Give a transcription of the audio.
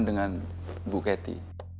dengan bu kety